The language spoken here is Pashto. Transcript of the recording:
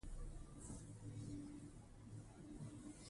اداري عمل د قانون تر څار لاندې دی.